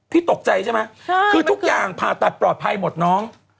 ที่ตกใจใช่ไหมคือทุกอย่างผ่าตัดปลอดภัยหมดน้อง